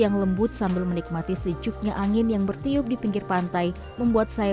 yang lembut sambil menikmati sejuknya angin yang bertiup di pinggir pantai membuat saya